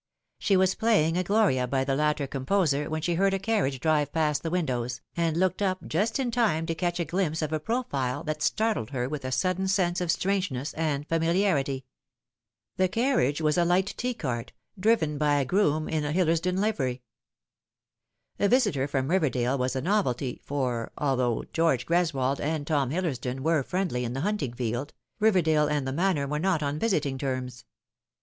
She was playing a Gloria by the latter composer when she heard a carriage drive past the windows, and looked up just in time to catch a glimpse of a profile that startled her with a sudden sense of strangeness and familiarity. The carriage was a light T cart, driven by a groom in the Hillersdon livery. A visitor from Riverdale was a novelty, for, although George Greswold and Tom Hillersdon were friendly in the hunting field, Riverdale and the Manor were not on visiting terms.